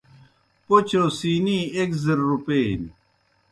پوْچوْ سِینی ایْک زِر روپیئے نیْ۔